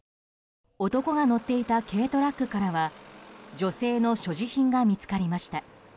男が乗っていた軽トラックからは女性の所持品が見つかりました。